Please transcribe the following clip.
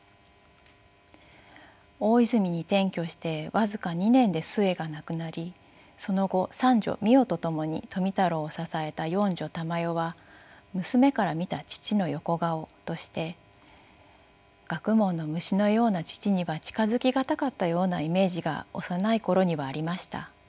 大泉に転居して僅か２年で壽衛が亡くなりその後三女巳代と共に富太郎を支えた四女玉代は娘から見た父の横顔として「学問の虫のような父には近づき難かったようなイメージが幼い頃にはありました。